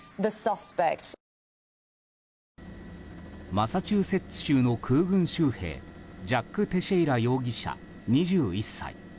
マサチューセッツ州の空軍州兵ジャック・テシェイラ容疑者２１歳。